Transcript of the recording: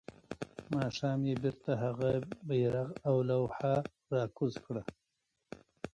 ماښام يې بيرته هغه بيرغ او لوحه راکوزه کړه.